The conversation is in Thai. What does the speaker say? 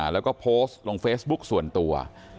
แล้วก็โพสต์ลงเฟซบุ๊กส่วนตัว